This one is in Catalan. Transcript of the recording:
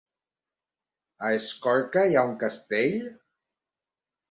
A Escorca hi ha un castell?